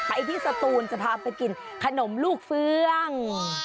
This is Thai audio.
ไปที่สตูนจะพาไปกินขนมลูกเฟือง